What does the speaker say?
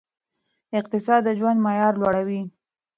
اقتصاد د ژوند معیار لوړوي.